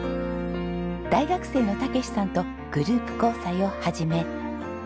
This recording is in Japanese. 大学生の健さんとグループ交際を始めやがて。